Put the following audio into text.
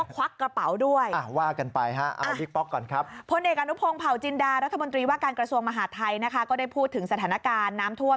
การกระทรวงมหาดไทยก็ได้พูดถึงสถานการณ์น้ำท่วม